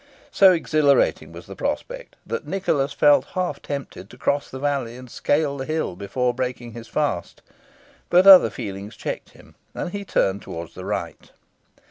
So exhilarating was the prospect, that Nicholas felt half tempted to cross the valley and scale the hill before breaking his fast; but other feelings checked him, and he turned towards the right.